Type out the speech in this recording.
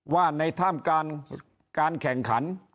ว่าในท่ามการแข่งขัน